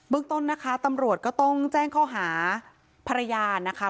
ต้นนะคะตำรวจก็ต้องแจ้งข้อหาภรรยานะคะ